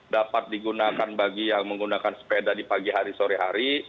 dapat digunakan bagi yang menggunakan sepeda di pagi hari sore hari